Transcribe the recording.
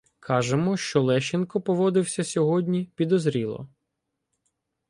Кажемо, що Лещенко поводився сьогодні підозріло.